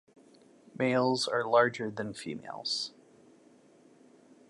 Males are larger than females.